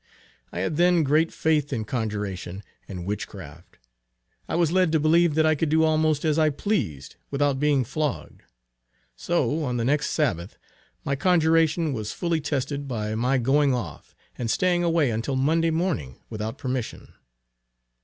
I had then great faith in conjuration and witchcraft. I was led to believe that I could do almost as I pleased, without being flogged. So on the next Sabbath my conjuration was fully tested by my going off, and staying away until Monday morning, without permission.